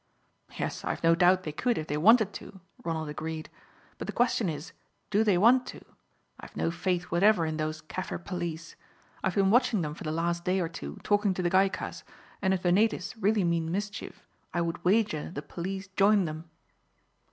"Yes, I have no doubt they could if they wanted to," Ronald agreed, "but the question is, do they want to? I have no faith whatever in those Kaffir police. I have been watching them for the last day or two talking to the Gaikas, and if the natives really mean mischief I would wager the police join them."